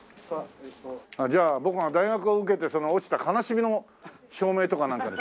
じゃあ僕が大学を受けてその落ちた悲しみの照明とかなんかにしますか？